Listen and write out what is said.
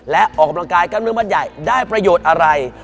และออกกำลังกายกล้ามเนื้อมัดใหญ่ได้ประโยชน์อะไร